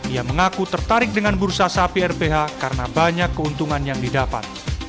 ia mengaku tertarik dengan bursa sapi rph karena banyak keuntungan yang didapat